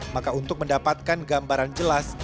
maka untuk mendapatkan gambaran jelas